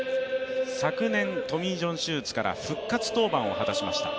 昨年、トミー・ジョン手術から復活登板を果たしました。